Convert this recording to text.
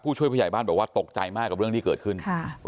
ช่วยผู้ใหญ่บ้านบอกว่าตกใจมากกับเรื่องที่เกิดขึ้น